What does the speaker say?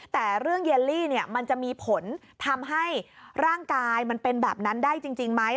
แต่เรื่องเยลลี่มันจะมีผลทำให้ร่างกายมันเป็นแบบนั้นได้จริงไหม